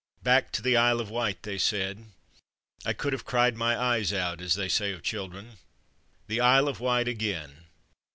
Back to the Isle of Wight, they said. I could have "cried my eyes out'^ as they say of children. The Isle of Wight again!